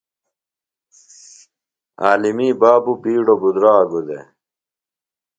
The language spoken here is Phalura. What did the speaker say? عالمیۡ بابوۡ بِیڈوۡ بِدراگوۡ دےۡ ۔